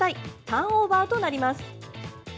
ターンオーバーとなります。